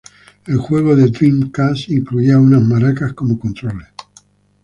El juego de Dreamcast incluía unas maracas como controles.